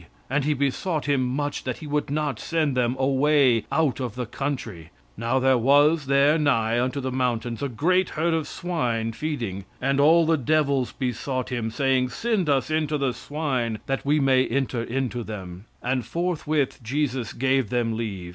"And he besought him much that he would not send them away out of the country. "Now there was there nigh unto the mountains a great herd of swine feeding. "And all the devils besought him, saying, Send us into the swine that we may enter into them. "And forthwith Jesus gave them leave.